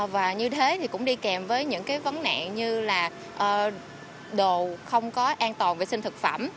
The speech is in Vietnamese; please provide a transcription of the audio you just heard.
và như thế thì cũng đi kèm với những cái vấn nạn như là đồ không có an toàn vệ sinh thực phẩm